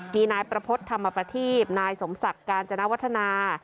มีนายประพฤติธรรมประทีบนายสมศักดิ์กาญจนวัฒนา